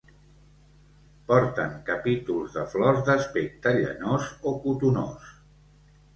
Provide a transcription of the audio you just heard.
Porten capítols de flors d'aspecte llanós o cotonós.